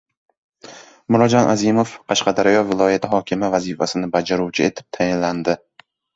Murodjon Azimov Qashqadaryo viloyati hokimi vazifasini bajaruvchi etib tayinlandi